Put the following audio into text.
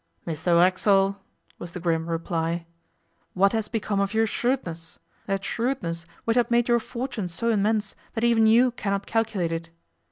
'Mr Racksole,' was the grim reply, 'what has become of your shrewdness that shrewdness which has made your fortune so immense that even you cannot calculate it?